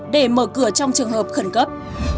để mở cửa trong trường hợp khẩn cấp